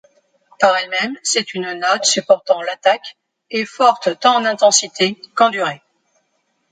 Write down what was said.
Par elle-même c'est une note supportant l'attaque, et forte tant en intensité qu'en durée.